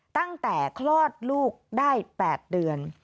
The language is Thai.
ตั้งแต่คลอดลูกได้๘เดือน